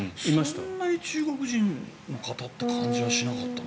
そんなに中国人の方って感じがしなかったな。